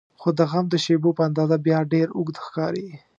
خو د غم د شیبو په اندازه بیا ډېر اوږد ښکاري.